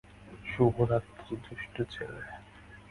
শুভ রাত্রি, দুষ্টু ছেলে।